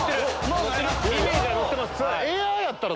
イメージは乗ってます。